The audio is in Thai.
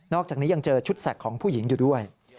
อกจากนี้ยังเจอชุดแสกของผู้หญิงอยู่ด้วย